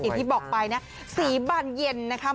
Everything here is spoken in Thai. อย่างที่บอกไปนะสีบานเย็นนะคะ